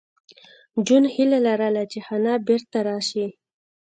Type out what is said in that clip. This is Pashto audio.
جون هیله لرله چې حنا بېرته راشي